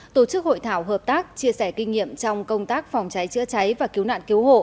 tổ chức hội thảo hợp tác chia sẻ kinh nghiệm trong công tác phòng cháy chữa cháy và cứu nạn cứu hộ